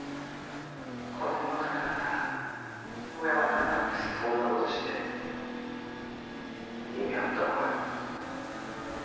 子供のためだったら親は何だってするそんなことして意味あったのかよ？